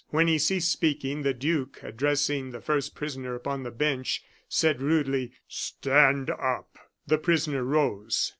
When he ceased speaking, the duke, addressing the first prisoner upon the bench, said, rudely: "Stand up." The prisoner rose.